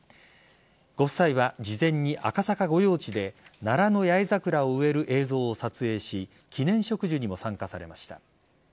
ご夫妻は事前に赤坂御用地でナラノヤエザクラを植える映像を撮影し記念植樹にも参加されました。